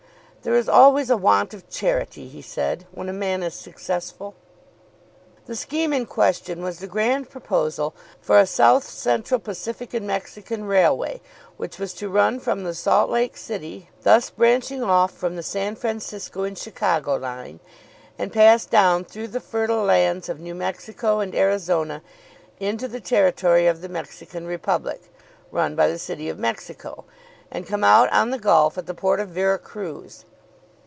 "There is always a want of charity," he said, "when a man is successful." The scheme in question was the grand proposal for a South Central Pacific and Mexican railway, which was to run from the Salt Lake City, thus branching off from the San Francisco and Chicago line, and pass down through the fertile lands of New Mexico and Arizona, into the territory of the Mexican Republic, run by the city of Mexico, and come out on the gulf at the port of Vera Cruz.